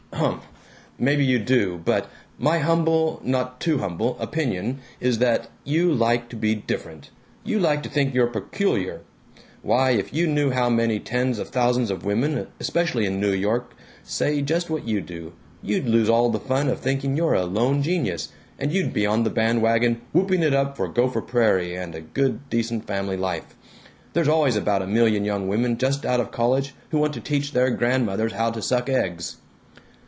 "Humph. Maybe you do, but My humble (not too humble!) opinion is that you like to be different. You like to think you're peculiar. Why, if you knew how many tens of thousands of women, especially in New York, say just what you do, you'd lose all the fun of thinking you're a lone genius and you'd be on the band wagon whooping it up for Gopher Prairie and a good decent family life. There's always about a million young women just out of college who want to teach their grandmothers how to suck eggs."